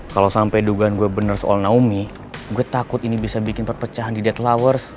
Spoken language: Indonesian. kalo sampe dugaan gue bener soal naomi gue takut ini bisa bikin perpecahan di dead lawers